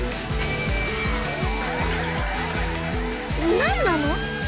何なの⁉